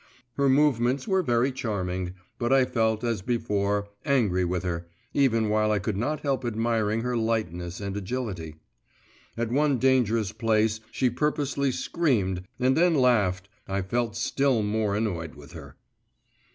Her movements were very charming, but I felt, as before, angry with her, even while I could not help admiring her lightness and agility. At one dangerous place she purposely screamed, and then laughed.… I felt still more annoyed with her.